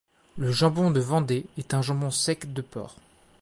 Le Jambon de Vendée est un jambon sec de porc.